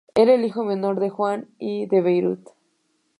Era el hijo menor de Juan I de Beirut.